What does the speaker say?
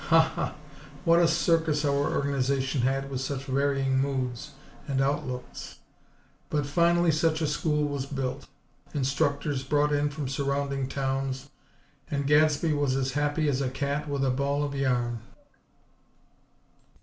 Ha, ha! What a circus our Organization had with such varying moods and outlooks! But, finally such a school was built; instructors brought in from surrounding towns; and Gadsby was as happy as a cat with a ball of yarn.